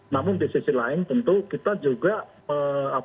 namun di sisi lain tentu kita juga ini memastikan ya